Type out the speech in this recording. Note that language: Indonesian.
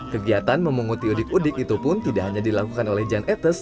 kegiatan memunguti udik udik itu pun tidak hanya dilakukan oleh jan etes